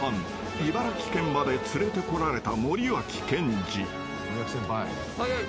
［茨城県まで連れてこられた森脇健児］